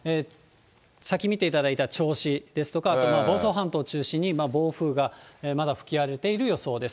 さっき見ていただいた銚子ですとか、あと房総半島を中心に暴風がまだ吹き荒れている予想です。